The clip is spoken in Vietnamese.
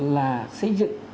là xây dựng